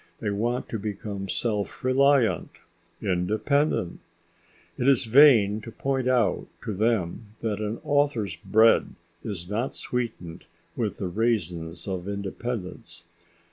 They want to become self reliant, independent. It is vain to point out to them that an author's bread is not sweetened with the raisins of independence.